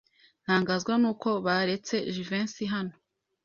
Ntangazwa nuko baretse Jivency hano.